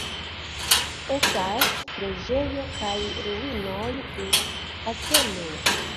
Estas preĝejo kaj ruinoj de kastelo.